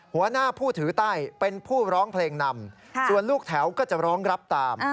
หัวหน้าผู้ถือไต้เป็นผู้ร้องเพลงนำส่วนลูกแถวก็จะร้องรับตาม